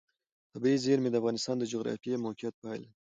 طبیعي زیرمې د افغانستان د جغرافیایي موقیعت پایله ده.